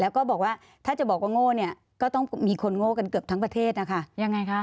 แล้วก็บอกว่าถ้าจะบอกว่าโง่เนี่ยก็ต้องมีคนโง่กันเกือบทั้งประเทศนะคะยังไงคะ